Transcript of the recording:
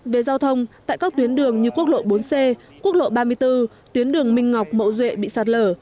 về giao thông tại các tuyến đường như quốc lộ bốn c quốc lộ ba mươi bốn tuyến đường minh ngọc mậu duệ bị sạt lở